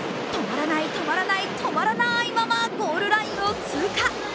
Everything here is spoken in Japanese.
止まらない、止まらない、止まらなーいままゴールラインを通過。